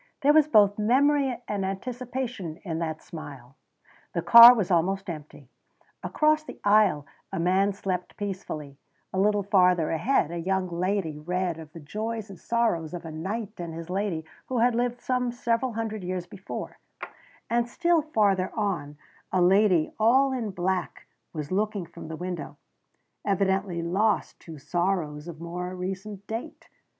There was both memory and anticipation in that smile. The car was almost empty. Across the aisle a man slept peacefully; a little farther ahead a young lady read of the joys and sorrows of a knight and his lady who had lived some several hundred years before, and still farther on a lady all in black was looking from the window, evidently lost to sorrows of more recent date.